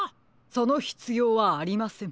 そのひつようはありません。